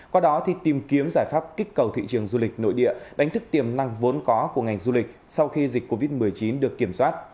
qua đó tìm kiếm giải pháp kích cầu thị trường du lịch nội địa đánh thức tiềm năng vốn có của ngành du lịch sau khi dịch covid một mươi chín được kiểm soát